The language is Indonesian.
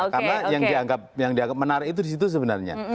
karena yang dianggap menarik itu disitu sebenarnya